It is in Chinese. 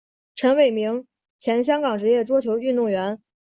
陈伟明前香港职业桌球运动员。